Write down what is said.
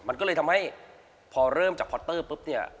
มันก็เลยทำให้พอเริ่มจากพอตเตอร์ปุ๊บเนี่ย